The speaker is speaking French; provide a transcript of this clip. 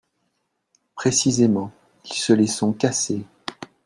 Précisément, ils se les sont cassées